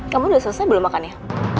kamu udah selesai belum makan ya